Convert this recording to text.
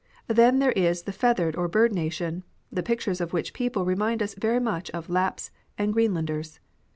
Then there is the feathered or bird nation, the pictures of which people remind us very much of Lapps and Greenlanders.